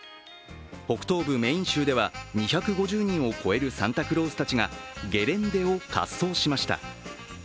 北東部メイン州では、２５０人を超えるサンタクロースたちがゲレンデを滑走しました。